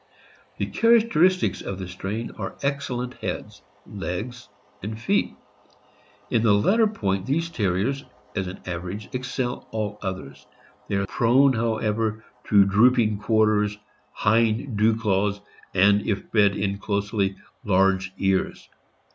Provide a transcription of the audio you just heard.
The characteristics of the strain are excellent heads, legs, and feet. In the latter point these Terriers, as an average, excel all others; they are prone, however, to drooping quarters, hind dew claws, and, if bred in closely, large ears.